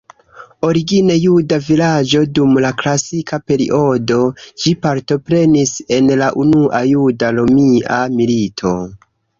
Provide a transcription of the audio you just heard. Origine juda vilaĝo dum la klasika periodo, ĝi partoprenis en la Unua Juda-Romia Milito.